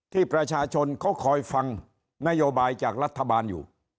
ที่ประชาชนเขาคอยฟังนโยบายจากรัฐบาลอยู่